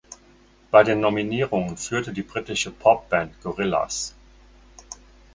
Bei den Nominierungen führte die britische Popband Gorillaz.